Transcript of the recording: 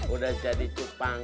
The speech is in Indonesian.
udah jadi cupang